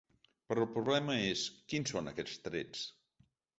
Però el problema és: quins són aquests trets?